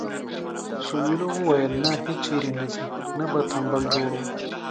سویلو وویل نه هیچېرې نه دې نه به تمبل جوړوو.